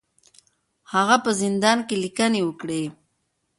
هغه په زندان کې لیکنې وکړې.